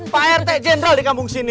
pak rt jenderal di kampung sini